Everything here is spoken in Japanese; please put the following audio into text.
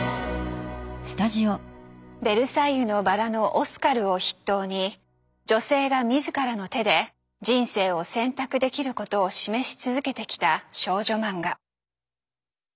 「ベルサイユのばら」のオスカルを筆頭に女性が自らの手で人生を選択できることを示し続けてきた少女マンガ。